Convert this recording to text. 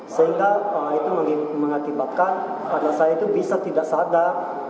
sehingga itu mengakibatkan anak saya itu bisa tidak sadar